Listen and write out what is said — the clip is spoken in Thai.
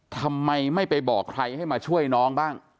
ทำไมไม่ไปบอกใครให้มาช่วยน้องบ้าง